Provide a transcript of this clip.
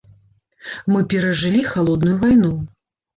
Мы перажылі халодную вайну.